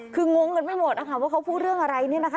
คืองงกันไม่หมดนะคะว่าเขาพูดเรื่องอะไรเนี่ยนะคะ